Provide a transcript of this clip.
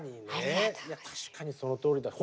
確かにそのとおりだ。